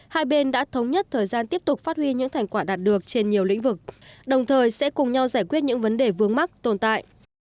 hai bên đã thống nhất thời gian tiếp tục phát huy những thành quả đạt được trên nhiều lĩnh vực đồng thời sẽ cùng nhau giải quyết những vấn đề vướng mắc tồn tại